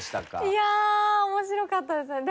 いやあ面白かったですね。